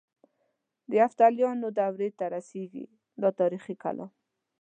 د یفتلیانو دورې ته رسيږي دا تاریخي کلا.